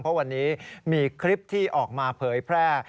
เพราะวันนี้มีคลิปที่ออกมาเผยแพร่